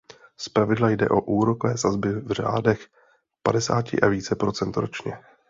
Zpravidla jde o úrokové sazby v řádech padesáti a více procent ročně.